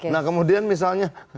nah kemudian misalnya